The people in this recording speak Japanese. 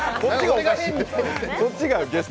こっちがゲスト。